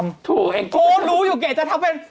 โอ้โฮรู้อยู่แก่จะทำเป็น